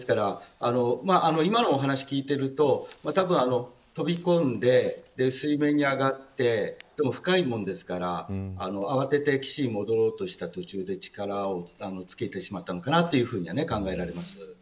今のお話を聞いているとたぶん飛び込んで水面に上がって深いものですから慌てて岸に戻ろうとした途中で力尽きてしまったのかなというふうに考えられます。